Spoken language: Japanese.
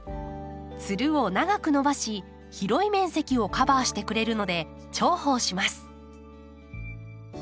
つるを長く伸ばし広い面積をカバーしてくれるので重宝します。